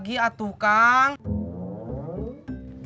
nggak apa apa diterusin aja